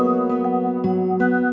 ye kata lo garing tadi